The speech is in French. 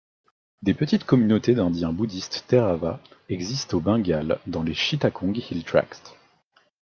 Des petites communautés d'indiens bouddhistes Theravada existent au Bengale dans les Chittagong Hill Tracts.